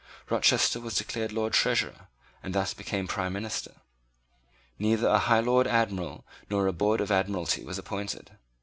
Rochester was declared Lord Treasurer, and thus became prime minister. Neither a Lord High Admiral nor a Board of Admiralty was appointed.